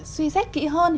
suy xét kỹ hơn